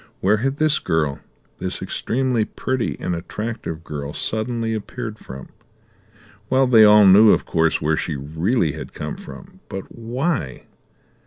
Where had this girl, this extremely pretty and attractive girl, suddenly appeared from? Well, they all knew, of course, where she really had come from; but why?